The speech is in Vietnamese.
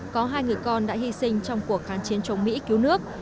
có hai người con đã hy sinh trong cuộc kháng chiến chống mỹ cứu nước